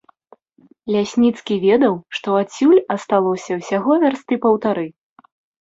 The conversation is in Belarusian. Лясніцкі ведаў, што адсюль асталося ўсяго вярсты паўтары.